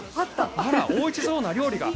あら、おいしそうな料理が。